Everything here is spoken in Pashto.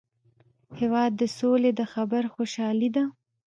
هېواد د سولي د خبر خوشالي ده.